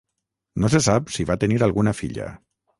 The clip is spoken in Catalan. No se sap si va tenir alguna filla.